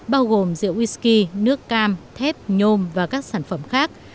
bao gồm rượu wisky nước cam thép nhôm và các sản phẩm khác